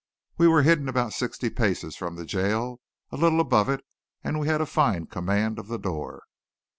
We were hidden about sixty paces from the jail, a little above it, and we had a fine command of the door.